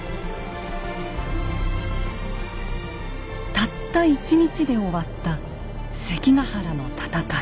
たった１日で終わった関ヶ原の戦い。